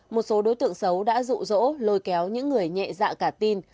một số đối tượng xấu đã rụ rỗ lôi kéo những người nhẹ dạ cả tin